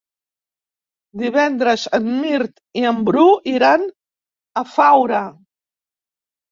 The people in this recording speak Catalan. Divendres en Mirt i en Bru iran a Faura.